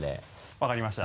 分かりました。